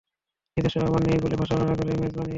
নিজস্ব আবাসন নেই বলে বাসা ভাড়া করে মেস বানিয়ে থাকতে হয়।